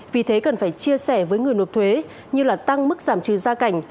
vì thế cần phải chia sẻ với người nộp thuế như tăng mức giảm trừ gia cảnh